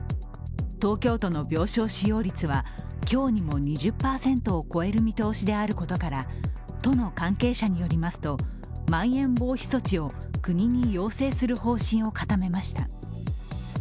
東京都の病床使用率は今日にも２０％を超える見通しであることから都の関係者によりますとまん延防止措置を国に要請する方針を固めました。